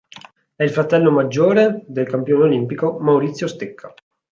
È il fratello maggiore del campione olimpico Maurizio Stecca.